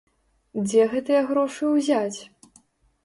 Дзе гэтыя грошы ўзяць?